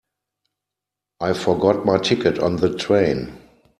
I forgot my ticket on the train.